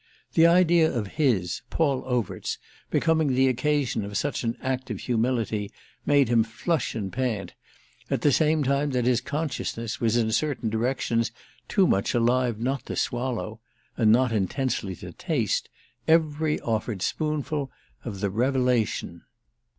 The idea of his, Paul Overt's, becoming the occasion of such an act of humility made him flush and pant, at the same time that his consciousness was in certain directions too much alive not to swallow—and not intensely to taste—every offered spoonful of the revelation.